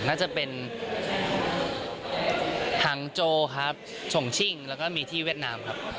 น่าจะเป็นหังโจครับชงชิ่งแล้วก็มีที่เวียดนามครับ